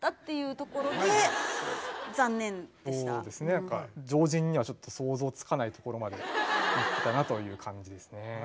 やっぱ常人にはちょっと想像つかないところまでいってたなという感じですね。